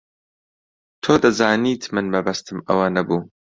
تۆ دەزانیت من مەبەستم ئەوە نەبوو.